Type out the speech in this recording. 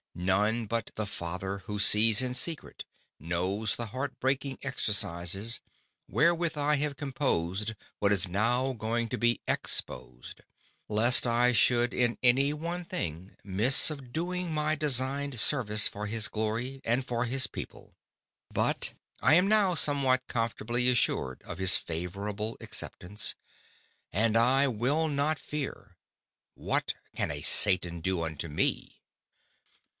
None, but the Father, who sees in secret, knows the Heart breaking Exercises, wherewith I have composed what is now going to be exposed, lest I should in any one thing miss of doing my designed Service for his Glory, and for his People; but I am now somewhat comfortably assured of his favourable acceptance; and, _I will not fear; what can a Satan do unto me!